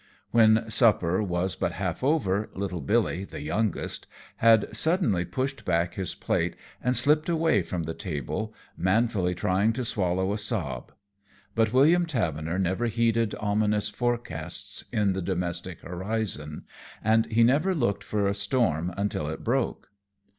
When supper was but half over little Billy, the youngest, had suddenly pushed back his plate and slipped away from the table, manfully trying to swallow a sob. But William Tavener never heeded ominous forecasts in the domestic horizon, and he never looked for a storm until it broke.